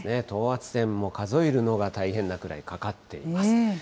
等圧線も数えるのが大変なぐらいかかっています。